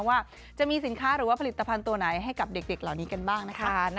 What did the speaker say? ว่าจะมีสินค้าหรือว่าผลิตภัณฑ์ตัวไหนให้กับเด็กเหล่านี้กันบ้างนะคะ